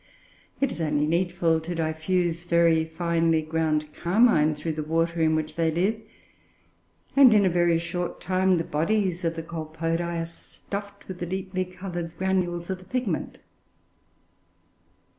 It is only needful to diffuse very finely ground carmine through the water in which they live, and, in a very short time, the bodies of the Colpodoe are stuffed with the deeply coloured granules of the pigment.